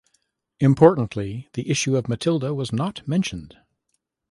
Importantly, the issue of Matilda was not mentioned.